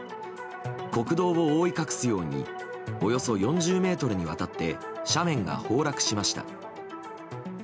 国道を覆い隠すようにおよそ４０ｍにわたって斜面が崩落しました。